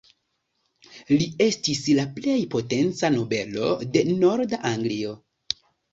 Li estis la plej potenca nobelo de norda Anglio.